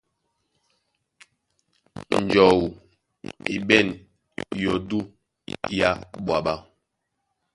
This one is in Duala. Njɔu e ɓɛ̂n yɔdú yá ɓwaɓɛ̀.